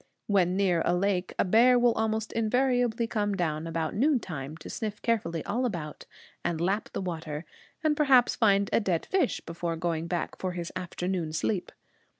When near a lake, a bear will almost invariably come down about noontime to sniff carefully all about, and lap the water, and perhaps find a dead fish before going back for his afternoon sleep.